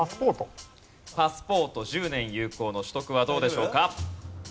パスポート１０年有効の取得はどうでしょうか？